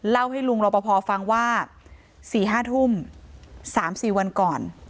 เล่าให้ลุงรอปภฟังว่า๔๕ทุ่ม๓๔วันก่อน